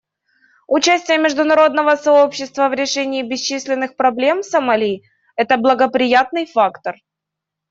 Участие международного сообщества в решении бесчисленных проблем Сомали — это благоприятный фактор.